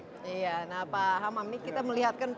pak hamamik kita melihatkan